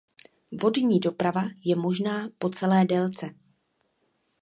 Vodní doprava je možná po celé délce.